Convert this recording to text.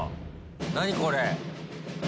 何これ！